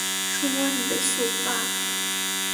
触摸你的秀发